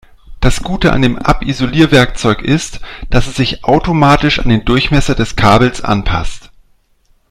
Das Gute an dem Abisolierwerkzeug ist, dass es sich automatisch an den Durchmesser des Kabels anpasst.